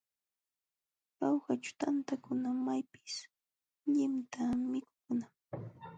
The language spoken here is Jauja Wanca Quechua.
Jaujaćhu tantakuna maypis lliwta mikukunam.